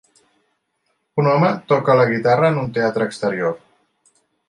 Un home toca la guitarra en un teatre exterior.